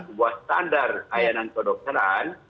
sebuah standar layanan kedokteran